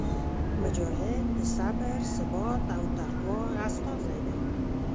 مجاهد د صبر، ثبات او تقوا استازی دی.